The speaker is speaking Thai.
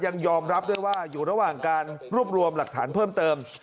ยังยอมรับด้วยว่าอยู่ระหว่างการรวบรวมหลักฐานเพิ่มเติม